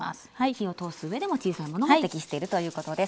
火を通す上でも小さいものが適しているということです。